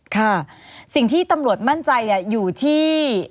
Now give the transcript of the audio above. ค่ะสิ่งที่ตำรวจมั่นใจอยู่ที่